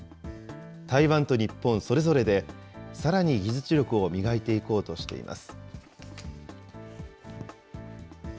台湾と日本、それぞれでさらに技術力を磨いていこうとしています。